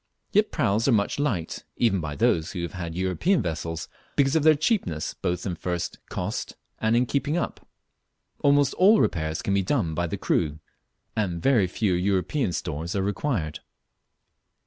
Yet praus are much liked even by those who have had European vessels, because of their cheapness both in first cost and in keeping up; almost all repairs can be done by the crew, and very few European stores are required.